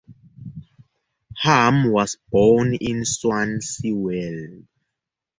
Ham was born in Swansea, Wales.